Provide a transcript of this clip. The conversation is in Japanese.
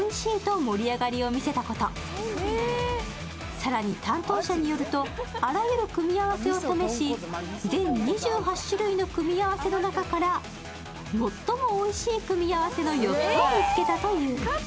更に、担当者によるとあらゆる組み合わせを試し、全２８種類の組み合わせの中から最もおいしい組み合わせの４つを見つけたという。